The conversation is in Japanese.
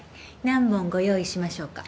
何本ご用意しましょうか？